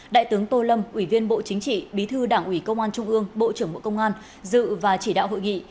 đại tướng tô lâm ủy viên bộ chính trị bí thư đảng ủy công an trung ương bộ trưởng bộ công an dự và chỉ đạo hội nghị